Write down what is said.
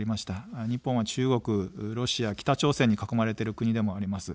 日本は中国、ロシア、北朝鮮に囲まれている国でもあります。